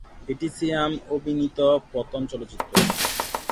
এটি সিয়াম অভিনীত প্রথম চলচ্চিত্র।